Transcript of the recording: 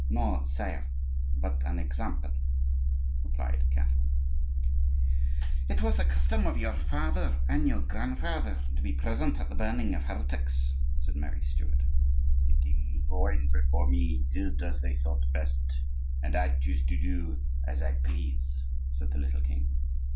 "No, sire; but an example," replied Catherine. "It was the custom of your father and your grandfather to be present at the burning of heretics," said Mary Stuart. "The kings who reigned before me did as they thought best, and I choose to do as I please," said the little king.